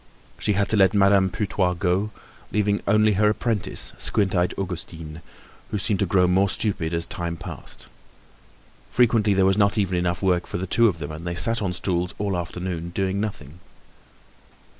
She had to let Madame Putois go, leaving only her apprentice, squint eyed Augustine, who seemed to grow more stupid as time passed. Frequently there was not even enough work for the two of them and they sat on stools all afternoon doing nothing.